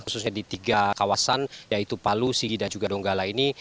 khususnya di tiga kawasan yaitu palu sigi dan juga donggala ini